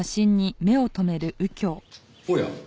おや。